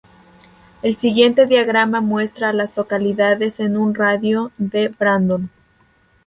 El siguiente diagrama muestra a las localidades en un radio de de Brandon.